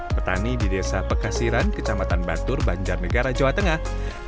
petani di desa pekasiran kecamatan batur banjarnegara jawa tengah